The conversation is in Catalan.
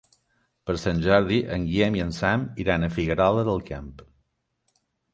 Per Sant Jordi en Guillem i en Sam iran a Figuerola del Camp.